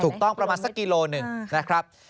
ถูกต้องประมาณสักกิโลหนึ่งนะครับ